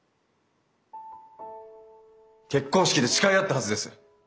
結婚式で誓い合ったはずです。